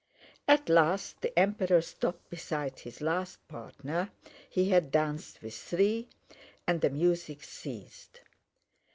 At last the Emperor stopped beside his last partner (he had danced with three) and the music ceased.